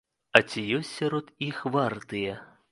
А ці ёсць сярод іх вартыя?